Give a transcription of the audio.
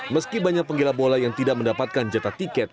meski banyak penggila bola yang tidak mendapatkan jatah tiket